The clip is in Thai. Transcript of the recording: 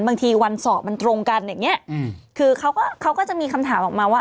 บางทีวันสอบมันตรงกันอย่างเงี้ยคือเขาก็เขาก็จะมีคำถามออกมาว่า